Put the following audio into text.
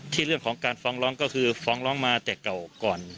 เรื่องของการฟ้องร้องก็คือฟ้องร้องมาแต่เก่าก่อน